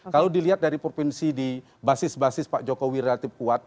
kalau dilihat dari provinsi di basis basis pak jokowi relatif kuat